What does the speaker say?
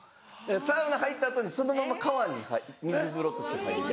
サウナ入った後にそのまま川に水風呂として入る。